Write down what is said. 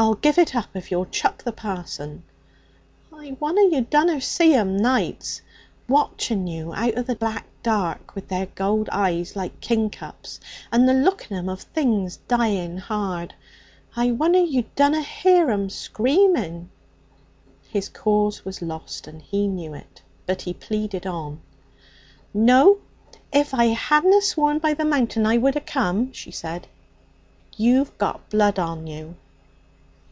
'I'll give it up if you'll chuck the parson.' 'I won'er you dunna see 'em, nights, watching you out of the black dark with their gold eyes, like kingcups, and the look in 'em of things dying hard. I won'er you dunna hear 'em screaming.' His cause was lost, and he knew it, but he pleaded on. 'No. If I hadna swore by the Mountain I wouldna come,' she said. 'You've got blood on you.'